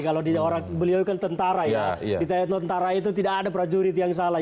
kalau beliau kan tentara ya di tentara itu tidak ada prajurit yang salah